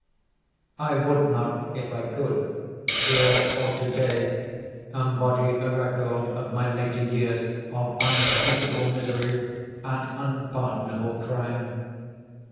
I would not, if I could, here or to day, embody a record of my later years of unspeakable misery, and unpardonable crime.